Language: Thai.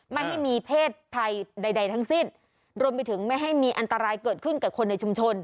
ไม่ให้มีเพศภัยใดทั้งสิ้นรวมไปถึงไม่ให้มีอันตรายเกิดขึ้นกับคนในชุมชน